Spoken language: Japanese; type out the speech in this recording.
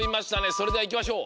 それではいきましょう。